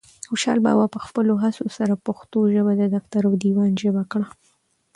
خوشحال بابا په خپلو هڅو سره پښتو ژبه د دفتر او دیوان ژبه کړه.